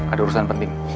ada urusan penting